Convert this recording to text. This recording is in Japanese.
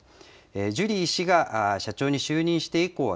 ジュリー氏が社長に就任して以降は、